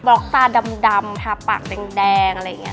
ล็อกตาดำทาปากแดงอะไรอย่างนี้